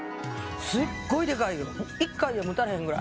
すっごいでかいよ一回で持たれへんぐらい。